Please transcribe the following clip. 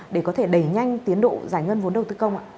để có thể đẩy nhanh tiến độ giải ngân vốn đầu tư công ạ